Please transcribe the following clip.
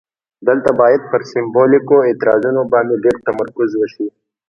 دلته باید پر سمبولیکو اعتراضونو باندې ډیر تمرکز وشي.